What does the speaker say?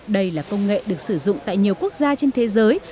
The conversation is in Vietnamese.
đây là công nghệ được sử dụng tại nhiều quốc gia trên thế giới